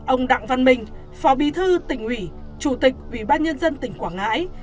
ông đặng văn minh phó bí thư tỉnh ủy chủ tịch ubnd tỉnh quảng ngãi